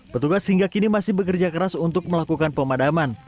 petugas hingga kini masih bekerja keras untuk melakukan pemadaman